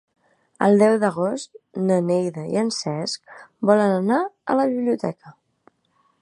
El deu d'agost na Neida i en Cesc volen anar a la biblioteca.